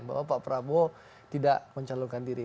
bahwa pak prabowo tidak mencalonkan diri